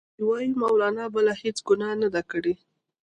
دوی وايي مولنا بله هیڅ ګناه نه ده کړې.